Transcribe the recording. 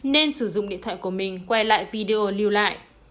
nên sử dụng điện thoại của mình quay lại video lưu lại